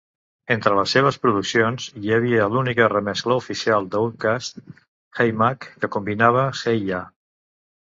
Entre les seves produccions hi havia l'única remescla oficial d'Outkast: "Hey Mug", que combinava "Hey Ya!".